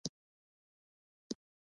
زغم د ښو خلکو یو مثبت خصوصیت ګڼل کیږي.